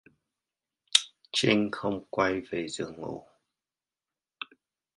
Chinh không quay về giường ngủ